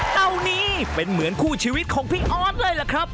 เต่านี้เป็นเหมือนคู่ชีวิตของพี่ออสเลยล่ะครับ